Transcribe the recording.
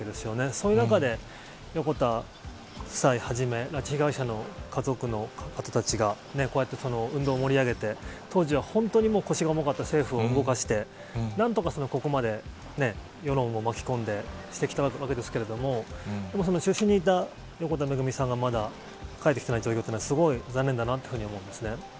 そういう中で横田夫妻はじめ、拉致被害者の家族の方たちが、こうやって運動を盛り上げて、当時は本当にもう、腰が重かった政府を動かして、なんとかここまで世論を巻き込んで、してきたわけですけれども、でも中心にいた横田夫妻が、まだ帰ってきてないということは、すごい残念だなっていうふうに思うんですね。